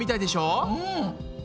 うん。